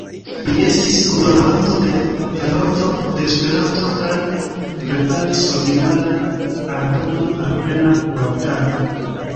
Li estis kunlaboranto de "Heroldo de Esperanto" kaj preparis originalan aldonon al „Plena Vortaro“.